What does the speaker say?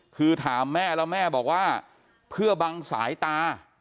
คือถามแม่แล้วแม่บอกว่าเพื่อบังสายตา